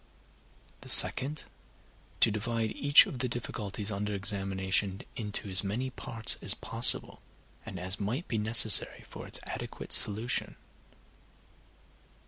The second, to divide each of the difficulties under examination into as many parts as possible, and as might be necessary for its adequate solution.